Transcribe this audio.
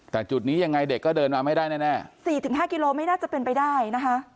แต่จุดนี้ยังไงเด็กก็เดินมาไม่ได้แน่๔๕กิโลไม่น่าจะเป็นไปได้นะคะ